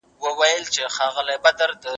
اقتصاد پوهنځۍ په خپلواکه توګه نه اداره کیږي.